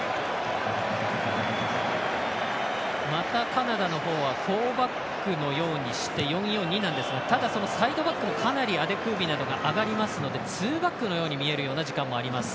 またカナダのほうはフォーバックのようにして４‐４‐２なんですがサイドバックもかなりアデクービなどがかわりますのでツーバックのように見える時間もあります。